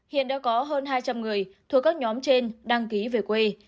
hiện đã có hơn hai trăm linh người thuộc các nhóm trên đăng ký về quê